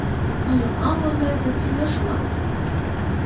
Але мала гэта ці зашмат?